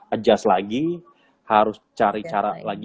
adjust lagi harus cari cara lagi